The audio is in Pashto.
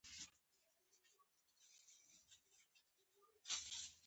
د قار او مکر حصه ډېره فعاله وي